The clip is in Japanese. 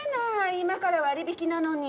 今から割引なのに。